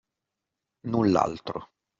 Null’altro.